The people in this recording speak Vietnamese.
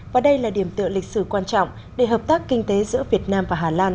và đây là điểm tựa lịch sử quan trọng để hợp tác kinh tế giữa việt nam và hà lan